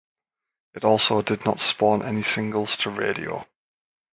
It also did not spawn any singles to radio.